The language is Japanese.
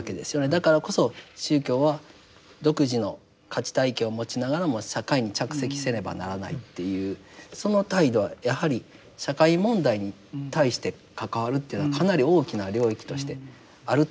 だからこそ宗教は独自の価値体系を持ちながらも社会に着席せねばならないっていうその態度はやはり社会問題に対して関わるというのはかなり大きな領域としてあると思いますね。